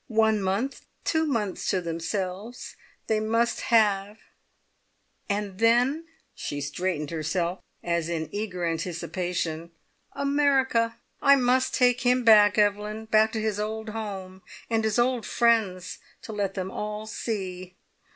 One month, two months to themselves, they must have, and then" she straightened herself as in eager anticipation "America! I must take him back, Evelyn! Back to his old home, and his old friends to let them all see!